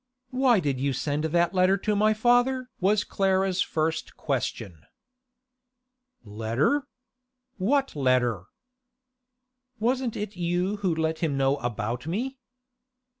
'Why did you send that letter to my father?' was Clara's first question. 'Letter? What letter?' 'Wasn't it you who let him know about me?